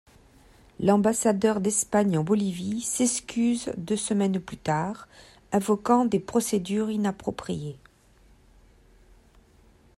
L'ambassadeur d'Espagne en Bolivie s'excuse deux semaines plus tard, invoquant des procédures inappropriées.